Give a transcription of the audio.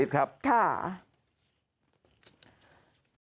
ดีเซลขึ้น๑๔บาท